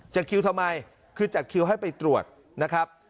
คิวทำไมคือจัดคิวให้ไปตรวจนะครับ